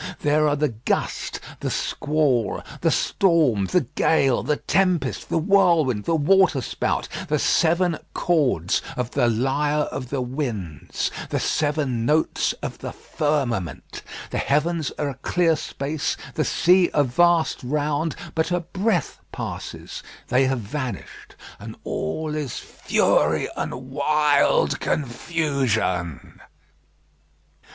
There are the gust, the squall, the storm, the gale, the tempest, the whirlwind, the waterspout the seven chords of the lyre of the winds, the seven notes of the firmament. The heavens are a clear space, the sea a vast round; but a breath passes, they have vanished, and all is fury and wild confusion.